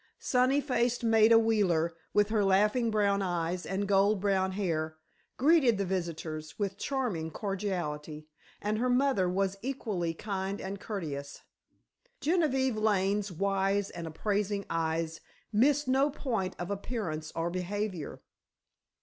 Sunny faced Maida Wheeler, with her laughing brown eyes and gold brown hair, greeted the visitors with charming cordiality, and her mother was equally kind and courteous. Genevieve Lane's wise and appraising eyes missed no point of appearance or behavior.